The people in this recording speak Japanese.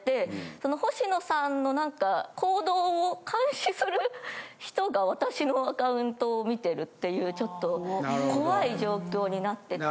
そのほしのさんの行動を監視する人が私のアカウントを見てるっていうちょっと怖い状況になってて。